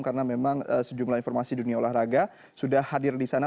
karena memang sejumlah informasi dunia olahraga sudah hadir di sana